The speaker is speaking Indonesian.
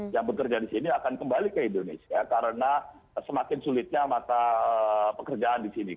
yang bekerja di sini akan kembali ke indonesia karena semakin sulitnya mata pekerjaan di sini